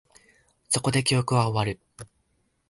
そこで、記憶は終わる